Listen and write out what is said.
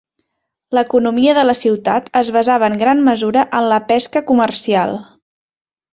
L'economia de la ciutat es basava en gran mesura en la pesca comercial.